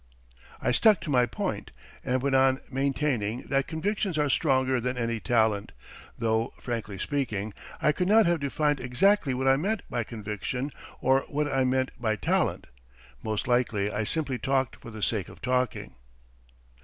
"I stuck to my point, and went on maintaining that convictions are stronger than any talent, though, frankly speaking, I could not have defined exactly what I meant by conviction or what I meant by talent. Most likely I simply talked for the sake of talking.